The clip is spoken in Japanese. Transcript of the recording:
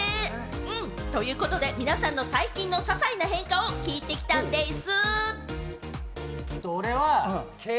うん！ということで、皆さんの最近のささいな変化を聞いてきたんでぃす！